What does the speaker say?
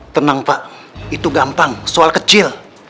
tenang pak itu gampang soal kecil